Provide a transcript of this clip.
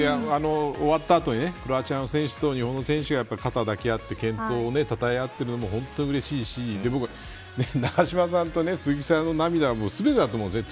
終わった後に、クロアチアの選手と日本の選手が肩を抱き合って健闘をたたえ合っているのもうれしいし僕は永島さんと鈴木さんの涙がすべてだと思うんです。